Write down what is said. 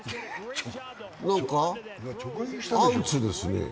何かアウツですね。